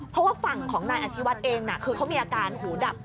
เพราะว่าฝั่งของนายอธิวัฒน์เองคือเขามีอาการหูดับ